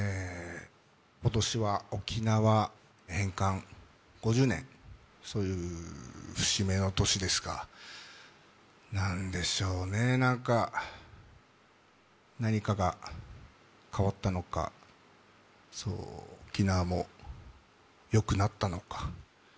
今年は沖縄返還５０年、そういう節目の年ですが、なんでしょうね、なんか何かが変わったのか、沖縄もよくなったのか。